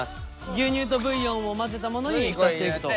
牛乳とブイヨンを混ぜたものに浸していくと。